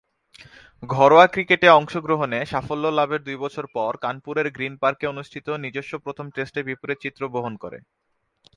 ঘরোয়া ক্রিকেটে অংশগ্রহণে সাফল্য লাভের দুই বছর পর কানপুরের গ্রীন পার্কে অনুষ্ঠিত নিজস্ব প্রথম টেস্টে বিপরীত চিত্র বহন করে।